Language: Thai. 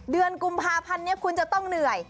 เดือนกุมภาพันธ์นี้คุณจะต้องเหนื่อย